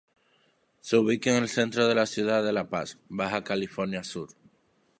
Se ubica en el centro de la ciudad de La Paz, Baja California Sur.